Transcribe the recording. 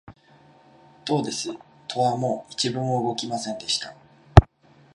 どうです、戸はもう一分も動きませんでした